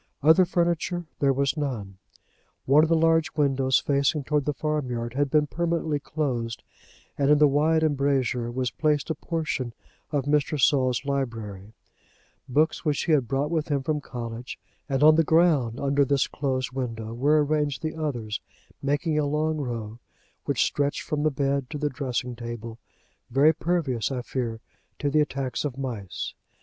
Other furniture there was none. One of the large windows facing towards the farmyard had been permanently closed, and in the wide embrasure was placed a portion of Mr. Saul's library, books which he had brought with him from college; and on the ground under this closed window were arranged the others, making a long row, which stretched from the bed to the dressing table, very pervious, I fear, to the attacks of mice.